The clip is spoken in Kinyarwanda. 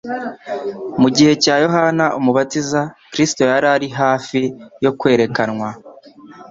Mu gihe cya Yohana Umubatiza, Kristo yari ari hafi yo kwerekanwa